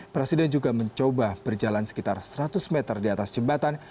presiden juga mencoba berjalan sekitar seratus meter di atas jembatan